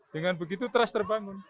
dengan begitu terus terbangun